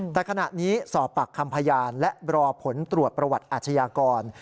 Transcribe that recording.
แต่ขณะนี้สอบปากคำพยานและรอผลตรวจประวัติอาชญากร